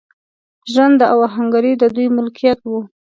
ژرنده او اهنګري د دوی ملکیت و.